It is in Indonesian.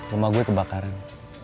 rumah gue kebakaran